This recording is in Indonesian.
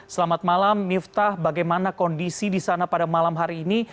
selamat malam miftah bagaimana kondisi di sana pada malam hari ini